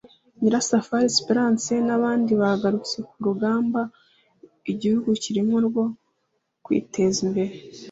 Nyirasafari Espérance n’abandi bagarutse ku rugamba igihugu kirimo rwo kwiteza imbere